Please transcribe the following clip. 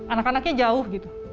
anak anaknya jauh gitu